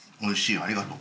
ありがとう。